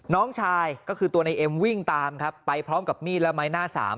น้องชายก็คือตัวในเอ็มวิ่งตามครับไปพร้อมกับมีดและไม้หน้าสาม